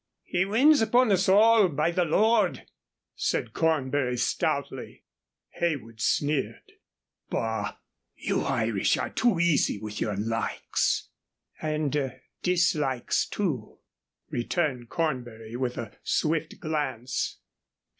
"He wins upon us all, by the Lord!" said Cornbury, stoutly. Heywood sneered. "Bah! You Irish are too easy with your likes " "And dislikes, too," returned Cornbury, with a swift glance.